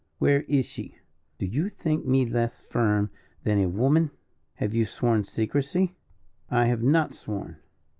"Where is she?" "Do you think me less firm than a woman?" "Have you sworn secrecy?" "I have not sworn."